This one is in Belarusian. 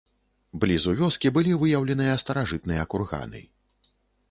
Блізу вёскі былі выяўленыя старажытныя курганы.